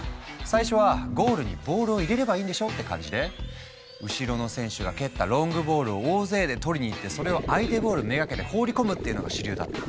最初はゴールにボールを入れればいいんでしょって感じで後ろの選手が蹴ったロングボールを大勢で取りに行ってそれを相手ゴール目がけて放り込むっていうのが主流だった。